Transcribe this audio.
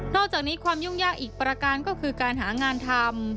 อกจากนี้ความยุ่งยากอีกประการก็คือการหางานทำ